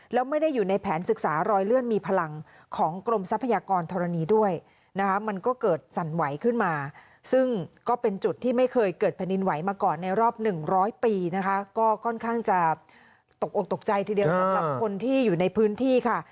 รอบ๑๐๐ปีนะคะก็ค่อนข้างจะตกอมตกใจทีเดียวสำหรับคนที่อยู่ในพื้นที่ค่ะ